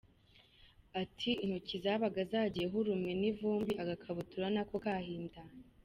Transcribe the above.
Ati “Intoki zabaga zagiyeho urume n’ivumbi, agakabutura na ko kahindanye.